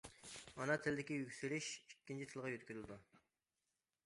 ئانا تىلدىكى يۈكسىلىش ئىككىنچى تىلغا يۆتكىلىدۇ.